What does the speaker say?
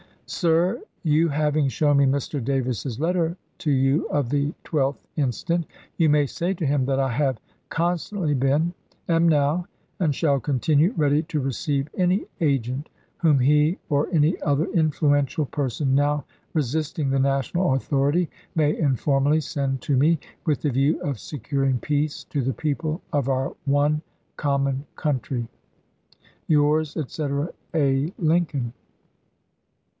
Sir : You having shown me Mr. Davis's letter to you of the 12th instant, you may say to him that I have con stantly been, am now, and shall continue ready to receive any agent whom he, or any other influential person now resisting the National authority, may informally send to me, with the view of securing peace to the people of our lutograph one common country. Yours, etc., A. Lincoln.